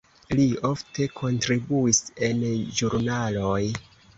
Li ofte kontribuis en ĵurnaloj.